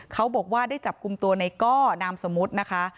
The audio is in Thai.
เขาบอกว่าได้จับกลุ่มตัวในก้อนามสมมุตินะคะ